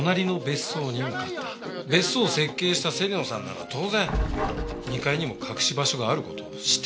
別荘を設計した芹野さんなら当然２階にも隠し場所がある事を知ってた。